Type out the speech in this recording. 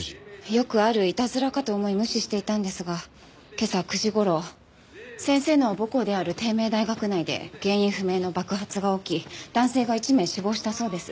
よくあるいたずらかと思い無視していたんですが今朝９時頃先生の母校である帝名大学内で原因不明の爆発が起き男性が１名死亡したそうです。